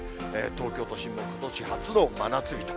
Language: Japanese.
東京都心もことし初の真夏日と。